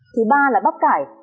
thứ ba là bắp cải